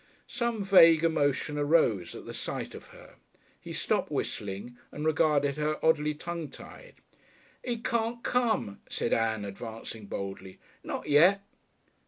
Some vague emotion arose at the sight of her. He stopped whistling and regarded her, oddly tongue tied. "He can't come," said Ann, advancing boldly. "Not yet."